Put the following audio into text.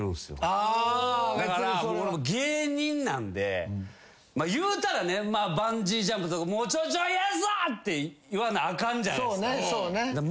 だから俺も芸人なんでまあいうたらねバンジージャンプとかちょちょ嫌ですわ！って言わなあかんじゃないですか。